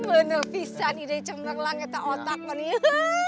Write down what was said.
bener pisan ide cemerlang etah otak loe nih